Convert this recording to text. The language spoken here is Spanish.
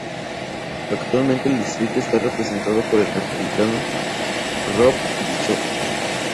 Actualmente el distrito está representado por el Republicano Rob Bishop.